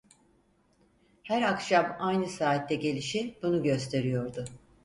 Her akşam aynı saatte gelişi bunu gösteriyordu.